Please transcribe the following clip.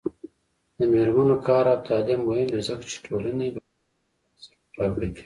د میرمنو کار او تعلیم مهم دی ځکه چې ټولنې برابرۍ بنسټ پیاوړی کوي.